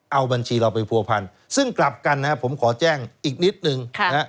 เอาบัญชีเราไปผัวพรรณซึ่งกลับกันนะผมขอแจ้งอีกนิดนึง